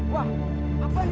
wah apa ini